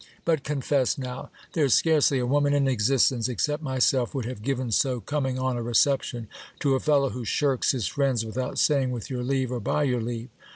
But confess now ! There is scarcely a woman in exist ence except myself, would have given so coming on a reception to a fellow who shirks his friends without saying with your leave or by your leave.